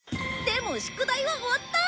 でも宿題は終わった！